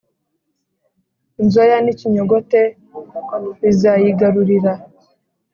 Inzoya n ikinyogote bizayigarurira